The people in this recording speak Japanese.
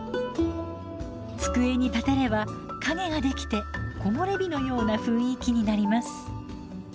机に立てれば影ができて木漏れ日のような雰囲気になります。